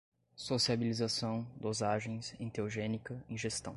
sociabilização, dosagens, enteogênica, ingestão